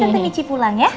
tante michi pulang ya